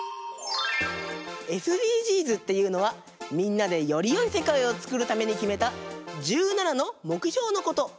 ＳＤＧｓっていうのはみんなでよりよいせかいをつくるためにきめた１７のもくひょうのこと。